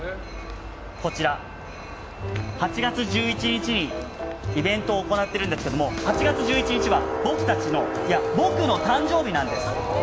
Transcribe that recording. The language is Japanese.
こちら、８月１１日にイベントを行っているんですが８月１１日は僕たちのいや、僕の誕生日なんです。